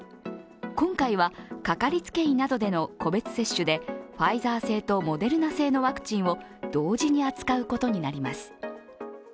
今回はかかりつけ医などでの個別接種でファイザー製とモデルナ製のワクチンを同時に扱うことになります。